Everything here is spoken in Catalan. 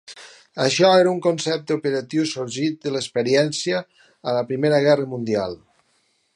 Això era un concepte operatiu sorgit de l'experiència a la Primera Guerra Mundial.